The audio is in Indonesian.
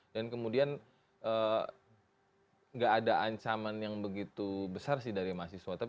dan kemudian tidak ada ancaman yang begitu besar dari mahasiswa